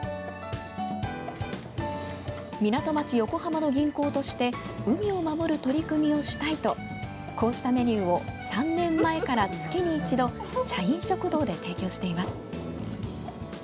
港町・横浜の銀行として海を守る取り組みをしたいとこうしたメニューを３年前から月に一度社員食堂で提供しています。